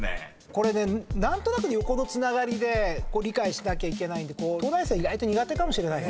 これ何となく横のつながりで理解しなきゃいけないんで東大生意外と苦手かもしれない。